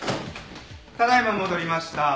ただ今戻りました。